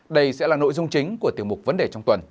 đây sẽ là nội dung chính của tiểu mục vấn đề trong tuần